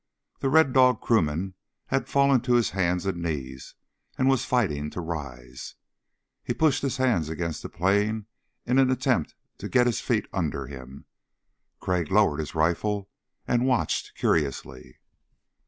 The Red Dog crewman had fallen to his hands and knees and was fighting to rise. He pushed his hands against the plain in an attempt to get his feet under him. Crag lowered his rifle and watched curiously.